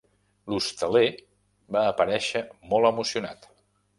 L'hostaler va aparèixer molt emocionat.